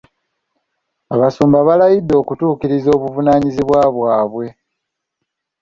Abasumba baalayidde okutuukiriza obuvunaanyizibwa bwabwe.